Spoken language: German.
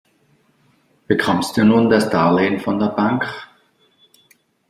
Bekommst du nun das Darlehen von der Bank?